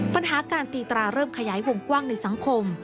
ปัญหาการตีตราเริ่มขยายวงกว้างในสังคม